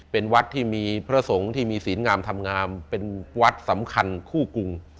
เป็นวัดที่มีพระสงฆ์ที่มีศีลงามธรรมงามเป็นวัดสำคัญคู่กรุง